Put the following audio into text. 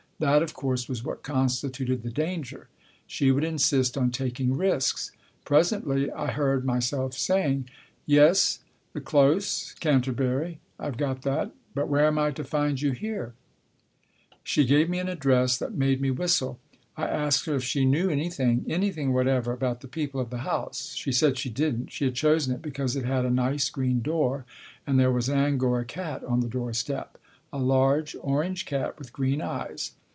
That, of course, was what constituted the danger. She would insist on taking risks. Presently I heard myself saying, " Yes, the Close, Canterbury. I've got that. But where am I to find you here ?" She gave me an address that made me whistle. I asked her if she knew anything, anything whatever, about the people of the house ? She said she didn't. She had chosen it because it had a nice green door, and there was an Angora cat on the door step. A large orange cat with green eyes.